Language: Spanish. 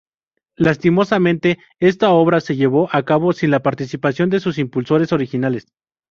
Lastimosamente, esta obra se llevó a cabo sin la participación de sus impulsores originales.